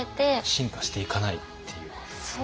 進化していかないっていうことですね。